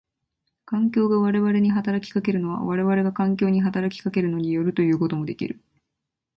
環境が我々に働きかけるのは我々が環境に働きかけるのに依るということもできる。